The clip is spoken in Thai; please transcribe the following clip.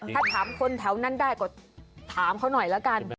ถ้าถามคนแถวนั้นได้ก็ถามเขาหน่อยละกัน